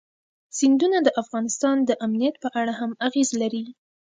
سیندونه د افغانستان د امنیت په اړه هم اغېز لري.